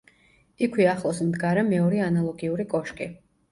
იქვე ახლოს მდგარა მეორე ანალოგიური კოშკი.